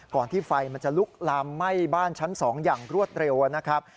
ที่ไฟมันจะลุกลามไหม้บ้านชั้น๒อย่างรวดเร็วนะครับ